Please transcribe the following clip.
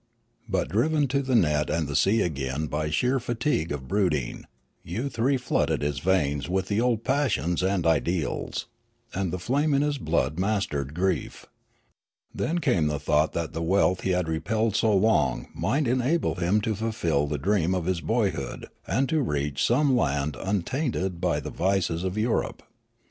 But driven to the net aud the sea again by sheer fatigue of brooding, youth reflooded his veins with the old passions and ideals, and the flame in his blood mastered grief. Then came the thought that the wealth he had repelled so long might enable him to fulfil the dream of his boyhood, and to reach some land untainted by the vices of Europe.